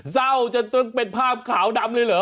เศร้าจนเป็นภาพขาวดำเลยเหรอ